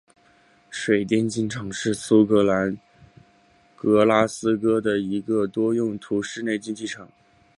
水电竞技场是苏格兰格拉斯哥的一个多用途室内竞技场。